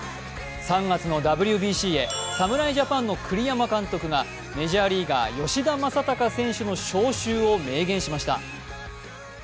３月のＷＢＣへ、侍ジャパンの栗山監督がメジャーリーガー・吉田正尚選手の招集を明言しました。